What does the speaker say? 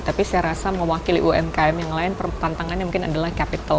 tapi saya rasa mewakili umkm yang lain tantangannya mungkin adalah capital